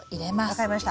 分かりました。